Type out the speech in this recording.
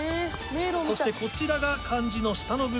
そしてこちらが漢字の下の部分。